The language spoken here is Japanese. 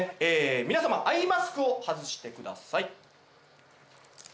皆様アイマスクを外してください。